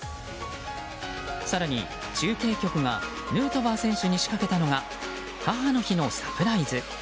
更に、中継局がヌートバー選手に仕掛けたのが母の日のサプライズ。